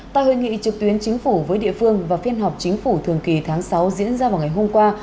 tại hội nghị trực tuyến chính phủ với địa phương và phiên họp chính phủ thường kỳ tháng sáu diễn ra vào ngày hôm qua